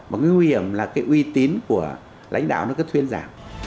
mà cái nguy hiểm là cái uy tín của lãnh đạo nó cứ thuyên giảm